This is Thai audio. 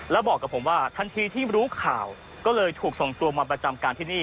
แล้วบอกกับผมว่าทันทีที่รู้ข่าวก็เลยถูกส่งตัวมาประจำการที่นี่